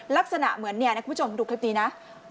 ลักษณะเหมือนเนี่ยนะคุณผู้ชมดูคลิปนี้นะ